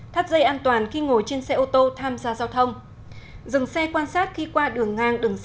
thắt dây an toàn khi ngồi trên xe ô tô tham gia giao thông